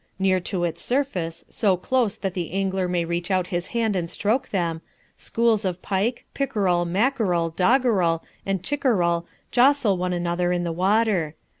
Near to its surface, so close that the angler may reach out his hand and stroke them, schools of pike, pickerel, mackerel, doggerel, and chickerel jostle one another in the water.